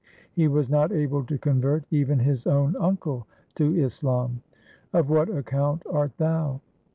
He was not able to convert even his own uncle to Islam. Of what account art thou